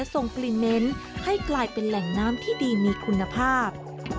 ส่งกลิ่นเหม็นให้กลายเป็นแหล่งน้ำที่ดีมีคุณภาพ